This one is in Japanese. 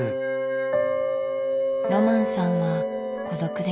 ロマンさんは孤独でした。